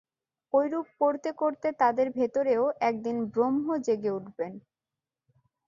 ঐরূপ করতে করতে তাদের ভেতরেও একদিন ব্রহ্ম জেগে উঠবেন।